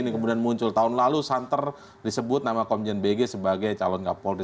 ini kemudian muncul tahun lalu santer disebut nama komjen bg sebagai calon kapolri